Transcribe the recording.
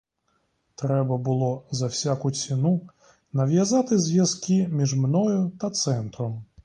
Треба було за всяку ціну нав'язати зв'язки між мною та центром.